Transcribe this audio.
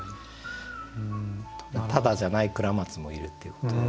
ただじゃない倉松もいるっていうことで。